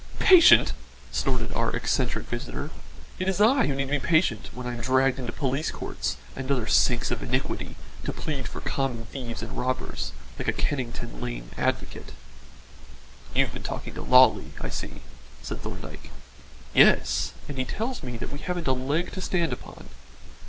"Patient!" snorted our eccentric visitor, "it is I who need to be patient when I am dragged into police courts and other sinks of iniquity to plead for common thieves and robbers like a Kennington Lane advocate." "You've been talking to Lawley, I see," said Thorndyke. "Yes, and he tells me that we haven't a leg to stand upon."